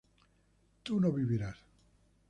tú no vivirás